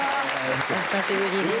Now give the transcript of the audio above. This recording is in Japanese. お久しぶりです。